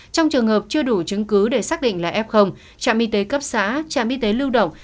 trong trường hợp chưa đủ chứng cứ để xác định là f trạm y tế cấp xã trạm y tế lưu động